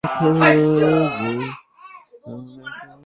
এটা ভালোবাসার প্রশ্ন।